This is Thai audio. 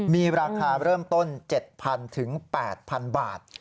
มีราคาเริ่มต้น๗๐๐ถึง๘๐๐บาท